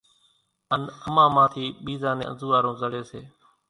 ان امان مان ٿي ٻيزان نين انزوئارون زڙي،